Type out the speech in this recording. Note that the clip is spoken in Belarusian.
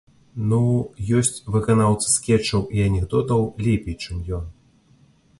Ну, ёсць выканаўцы скетчаў і анекдотаў лепей, чым ён.